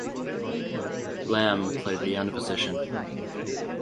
Lamme played the end position.